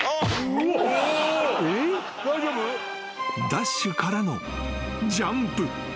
［ダッシュからのジャンプ］